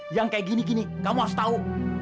yang kayak gini gini kamu harus tahu